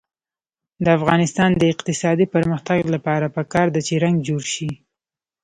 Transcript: د افغانستان د اقتصادي پرمختګ لپاره پکار ده چې رنګ جوړ شي.